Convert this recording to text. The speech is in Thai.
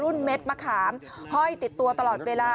เม็ดมะขามห้อยติดตัวตลอดเวลา